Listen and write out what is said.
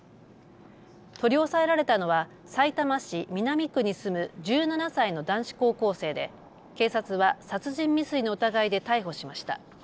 取り押さえられたのはさいたま市南区に住む１７歳の男子高校生で警察は殺人未遂の疑いで逮捕しました。